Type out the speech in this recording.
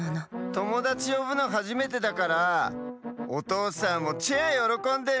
ともだちよぶのはじめてだからおとうさんもチェアよろこんでるんすよ。